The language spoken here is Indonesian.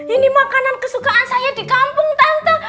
ini makanan kesukaan saya di kampung tante